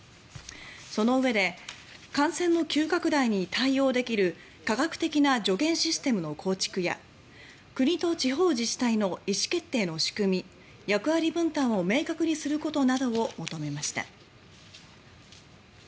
そのうえで感染の急拡大に対応できる科学的な助言システムの構築や国と地方自治体の意思決定の仕組み役割分担を明確にすることなどを求めました。